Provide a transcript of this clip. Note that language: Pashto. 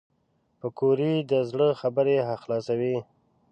پکورې د زړه خبرې خلاصوي